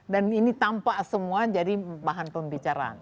dan ini tampak semua jadi bahan pembicaraan